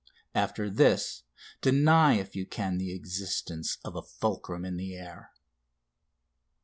After this deny if you can the existence of a fulcrum in the air.